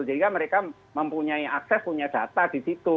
sehingga mereka mempunyai akses punya data di situ